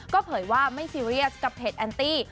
ก็เผยว่าไม่ซีเรียสกับเพจแอนตี้